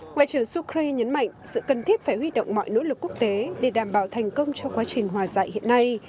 ngoại trưởng sukri nhấn mạnh sự cần thiết phải huy động mọi nỗ lực quốc tế để đảm bảo thành công trong quá trình hòa dạy hiện nay